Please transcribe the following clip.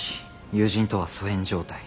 友人とは疎遠状態。